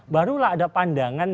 barulah ada pandangan